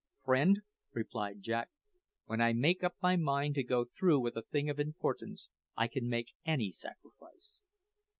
"Friend," replied Jack, "when I make up my mind to go through with a thing of importance, I can make any sacrifice."